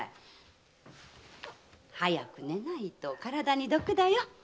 早く寝ないと体に毒だよ。